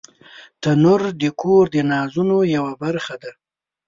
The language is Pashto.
تنور د کور د نازونو یوه برخه ده